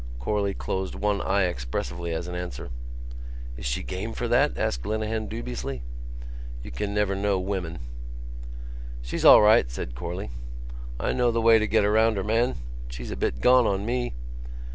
Corley closed one eye expressively as an answer. "Is she game for that?" asked Lenehan dubiously. "You can never know women." "She's all right," said Corley. "I know the way to get around her, man. She's a bit gone on me."